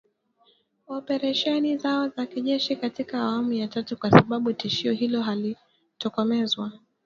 operesheni zao za kijeshi katika awamu ya tatu, kwa sababu tishio hilo halijatokomezwa